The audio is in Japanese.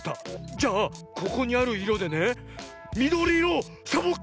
じゃあここにあるいろでねみどりいろをサボッ